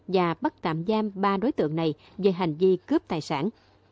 và bắt tạm giam ba đối tượng này về hành vi cướp tài sản